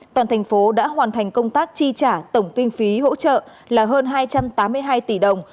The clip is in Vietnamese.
toàn thành phố đã hoàn thành công tác chi trả tổng kinh phí hỗ trợ là hơn hai trăm tám mươi hai tỷ đồng